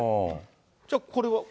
じゃあこれは？